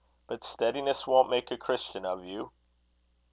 But steadiness won't make a Christian of you."